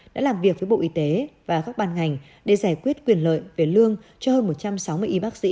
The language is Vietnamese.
đã làm việc với bộ y tế và các ban ngành để giải quyết quyền lợi về lương cho hơn một trăm sáu mươi y bác sĩ